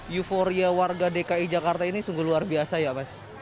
euforia warga dki jakarta ini sungguh luar biasa ya mas